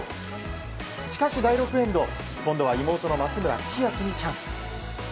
しかし、第６エンド今度は妹の松村千秋にチャンス。